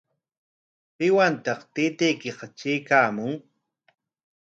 ¿Piwantaq taytaykiqa traykaamun?